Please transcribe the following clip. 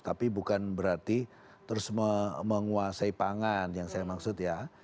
tapi bukan berarti terus menguasai pangan yang saya maksud ya